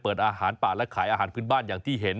อาหารป่าและขายอาหารพื้นบ้านอย่างที่เห็น